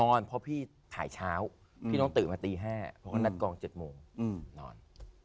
นอนเพราะพี่ถ่ายเช้าพี่ต้องตื่นมาตี๕นาทกอง๗โมงนอน